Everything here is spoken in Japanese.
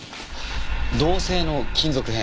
銅製の金属片。